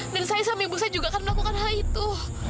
dan saya sama ibu saya juga akan melakukan hal itu